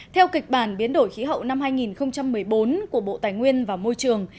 theo kịch bản biến đổi khí hậu năm hai nghìn một mươi bốn của bộ tài nguyên và môi trường